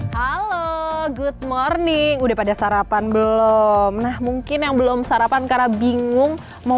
halo good morning udah pada sarapan belum nah mungkin yang belum sarapan karena bingung mau